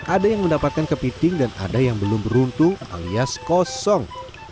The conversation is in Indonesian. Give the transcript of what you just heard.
ada yang mendapatkan kepiting dan ada yang belum beruntung alias kosong